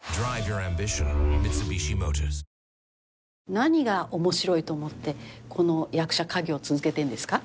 何が面白いと思ってこの役者稼業続けてんですか？